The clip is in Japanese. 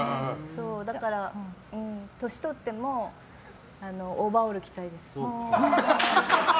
だから年をとってもオーバーオール着たいです。